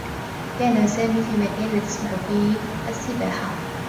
كان سامي في مكان لا تُسمح فيه السّباحة.